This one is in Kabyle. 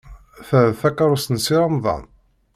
Ta d takeṛṛust n Si Remḍan?